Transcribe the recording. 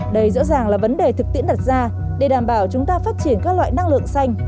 đây rõ ràng là vấn đề thực tiễn đặt ra để đảm bảo chúng ta phát triển các loại năng lượng xanh